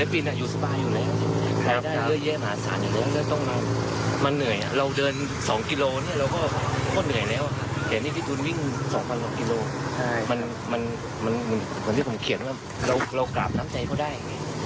โปรดติดตามตอนต่อไป